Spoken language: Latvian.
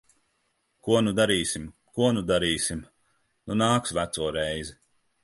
Ko nu darīsim? Ko nu darīsim? Nu nāks veco reize.